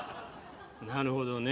なるほどね。